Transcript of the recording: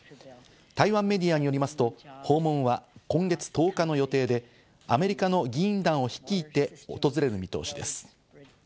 台湾メディアによりますと、訪問は今月１０日の予定で、アメリカの議員団を率いて訪れる見通しです。